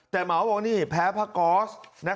แต่หมาว่านี่แพ้ภาคกอร์ซ